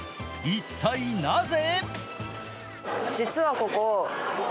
一体なぜ？